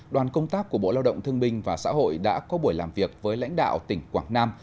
đoàn công tác của bộ lao động thương binh và xã hội đã có buổi làm việc với lãnh đạo tỉnh quảng nam